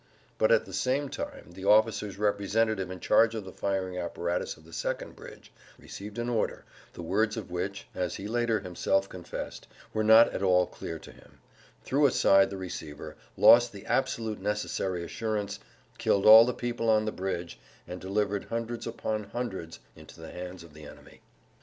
But at the same time the officer's representative in charge of the firing apparatus of the second bridge[Pg 105] received an order, the words of which (as he later himself confessed) were not at all clear to him, threw aside the receiver, lost the absolutely necessary assurance, killed all the people on the bridge, and delivered hundreds upon hundreds into the hands of the enemy.